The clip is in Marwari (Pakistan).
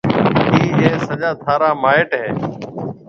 ڪِي اَي سجا ٿارا مائيٽ هيَ؟